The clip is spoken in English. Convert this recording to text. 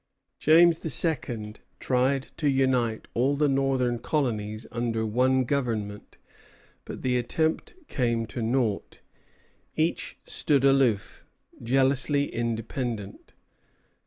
James II. tried to unite all the northern colonies under one government; but the attempt came to naught. Each stood aloof, jealously independent.